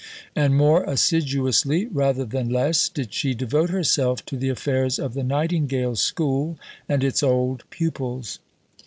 And more assiduously, rather than less, did she devote herself to the affairs of the Nightingale School and its old pupils.